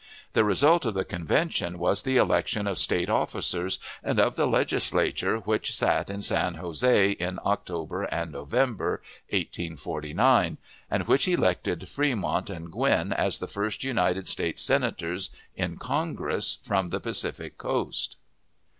The result of the convention was the election of State officers, and of the Legislature which sat in San Jose in October and November, 1849, and which elected Fremont and Gwin as the first United States Senators in Congress from the Pacific coast.